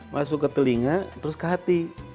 masuk ke telinga terus ke hati